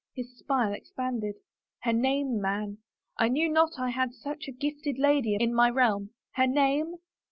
His smile expanded. *' Her name, man. I knew not I had such a gifted lady in my realm. Her name?